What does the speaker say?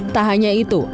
tak hanya itu